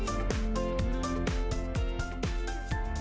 tentang sistem pendidikan nasional atau sisgnas yang isinya